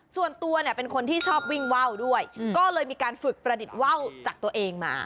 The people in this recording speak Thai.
ส่วนตัวเนี่ยเป็นคนที่ชอบวิ่งว่าวด้วยก็เลยมีการฝึกประดิษฐ์ว่าวจากตัวเองมา